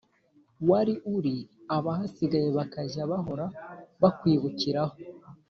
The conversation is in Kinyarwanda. wari uri abahasigaye bakajya bahora bakwibukiraho.